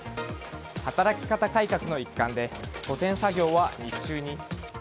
働き方改革の一環で保線作業は日中に。